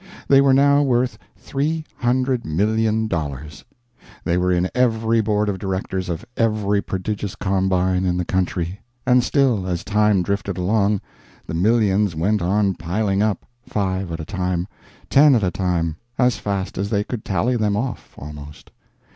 They were now worth three hundred million dollars; they were in every board of directors of every prodigious combine in the country; and still as time drifted along, the millions went on piling up, five at a time, ten at a time, as fast as they could tally them off, almost.